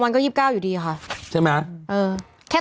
วันเนี้ยตอนนี้๒๙เส้น